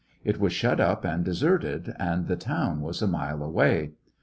It was shut up and deserted, and the town was a mile away.